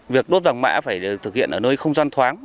việc đốt vàng mã phải được thực hiện ở nơi không gian thoáng